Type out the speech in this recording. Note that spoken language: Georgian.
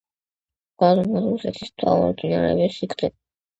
გაზომა რუსეთის მთავარი მდინარეების სიგრძე.